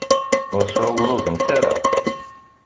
Ur sεuẓẓugemt ara.